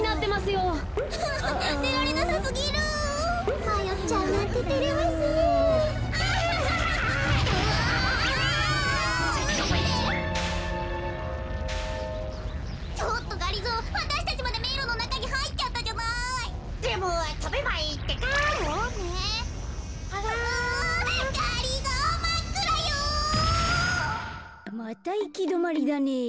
またいきどまりだねえ。